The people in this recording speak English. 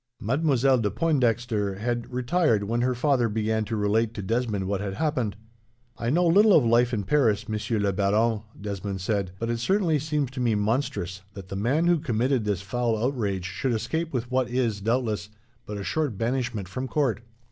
Mademoiselle de Pointdexter had retired when her father began to relate to Desmond what had happened. "I know little of life in Paris, Monsieur le Baron," Desmond said, "but it certainly seems to me monstrous, that the man who committed this foul outrage should escape with what is, doubtless, but a short banishment from court."